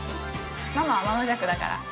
ママはあまのじゃくだから。